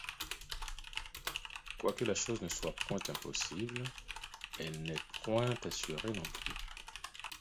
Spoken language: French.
Quoique la chose ne soit point impossible, elle n’est point assurée non plus.